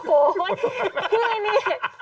โอ้โฮเพื่อนี่